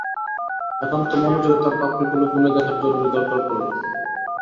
একান্ত মনোযোগে তার পাপড়িগুলো গুনে দেখার জরুরি দরকার পড়ল।